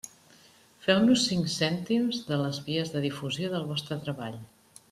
Feu-nos cinc cèntims de les vies de difusió del vostre treball.